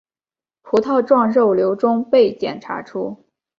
葡萄状肉瘤中被检查出。